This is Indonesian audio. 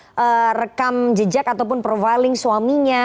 bagaimana rekam jejak ataupun profiling suaminya